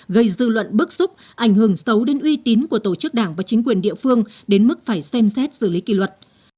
gây dư luận bức xúc ảnh hưởng xấu đến uy tín của tổ chức đảng và chính quyền địa phương đến mức phải xem xét xử lý kỷ luật